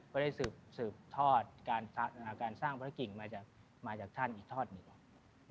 ก็ได้สืบทอดการสร้างพระกิ่งมาจากท่านอีกทอดหนึ่ง